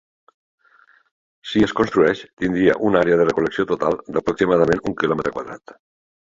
Si es construeix, tindria una àrea de recol·lecció total d'aproximadament un quilòmetre quadrat.